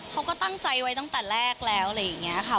เขาก็ตั้งใจไว้ตั้งแต่แรกแล้วอะไรอย่างนี้ค่ะ